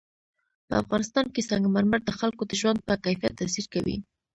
په افغانستان کې سنگ مرمر د خلکو د ژوند په کیفیت تاثیر کوي.